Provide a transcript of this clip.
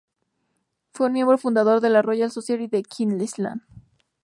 Fue un miembro fundador de la Royal Society de Queensland.